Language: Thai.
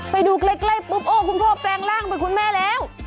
ไปดูใกล้ปุ๊บโอ้คุณพ่อแปลงร่างเป็นคุณแม่แล้ว